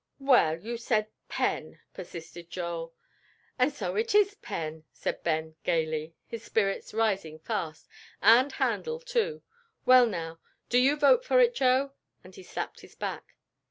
"Well, you said pen," persisted Joel. "And so it is pen," said Ben, gayly, his spirits rising fast, "and handle, too. Well, now, do you vote for it, Joe?" and he slapped his back.